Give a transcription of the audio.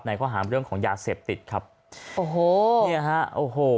ข้อหามเรื่องของยาเสพติดครับโอ้โหเนี่ยฮะโอ้โห